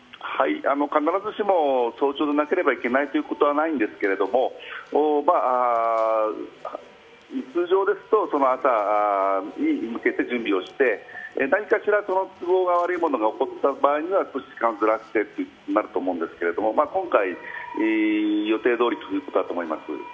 必ずしも早朝でなければいけないということなんですけど、通常であれば朝に準備して準備をして、何かしら都合の悪いものが起こった場合には少し時間をずらしてとなると思うんですけれども今回、予定どおり撃ったと思います